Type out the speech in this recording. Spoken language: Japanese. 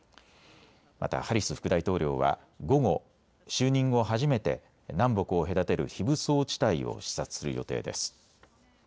またハリス副大統領は午後、就任後初めて南北を隔てる非武装地帯を視察する予定です。